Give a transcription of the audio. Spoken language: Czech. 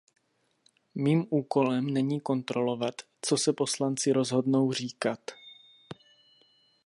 Mým úkolem není kontrolovat, co se poslanci rozhodnou říkat.